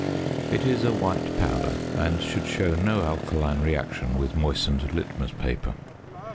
It is a white powder, and should show no alkaline reaction with moistened litmus paper.